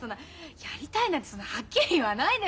やりたいなんてそんなはっきり言わないでよやだ。